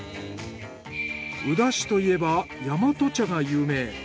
宇陀市といえば大和茶が有名。